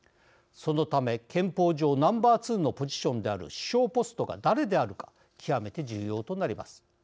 そのため、憲法上ナンバー２のポジションである首相ポストが誰であるか極めて重要となります。